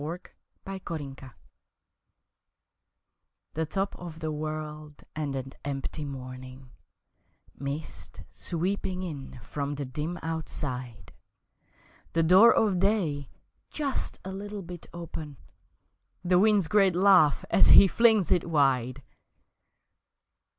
On the Mountain THE top of the world and an empty morning, Mist sweeping in from the dim Outside, The door of day just a little bit open The wind's great laugh as he flings it wide!